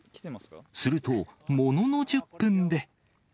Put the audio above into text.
すると、ものの１０分で。